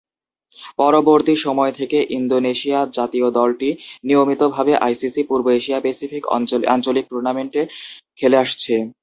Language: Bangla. পরবর্তীসময় থেকে ইন্দোনেশিয়া জাতীয় দলটি নিয়মিত ভাবে আইসিসি পূর্ব এশিয়া-প্যাসিফিক আঞ্চলিক টুর্নামেন্টে খেলে আসছে।